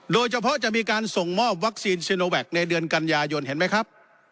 โดยเฉพาะจะมีการส่งมอบวัคซีนซีโนแวคในเดือนกันยายนเห็นไหมครับ